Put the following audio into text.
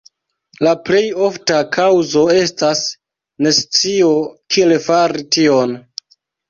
La plej ofta kaŭzo estas nescio, kiel fari tion.